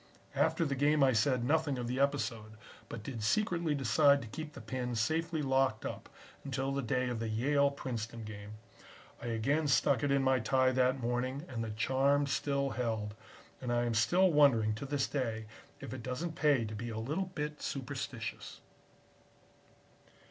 "After the game I said nothing of the episode, but did secretly decide to keep the pin safely locked up until the day of the Yale Princeton game. I again stuck it in my tie that morning and the charm still held, and I am still wondering to this day, if it doesn't pay to be a little bit superstitious."